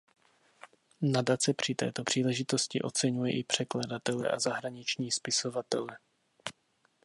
Nadace při této příležitosti oceňuje i překladatele a zahraniční spisovatele.